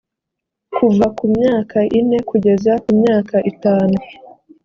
kuva ku myaka ine kugeza ku myaka itanu